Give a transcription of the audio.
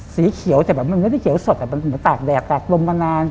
สีเขียวแต่แบบมันไม่ได้เขียวสดเหมือนตากแดดตากลมมานาน